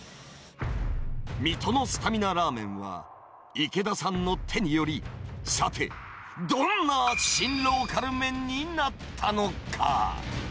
水戸のスタミナラーメンは、池田さんの手により、さて、どんなシン・ローカル麺になったのか？